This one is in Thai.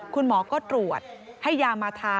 คุณหมอก็ตรวจให้ยามาทา